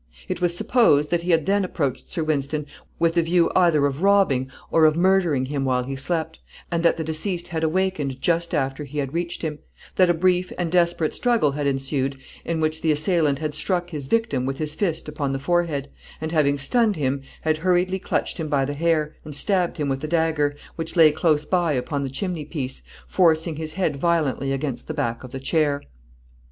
It was supposed that he had then approached Sir Wynston, with the view either of robbing, or of murdering him while he slept, and that the deceased had awakened just after he had reached him; that a brief and desperate struggle had ensued, in which the assailant had struck his victim with his fist upon the forehead, and having stunned him, had hurriedly clutched him by the hair, and stabbed him with the dagger, which lay close by upon the chimneypiece, forcing his head violently against the back of the chair.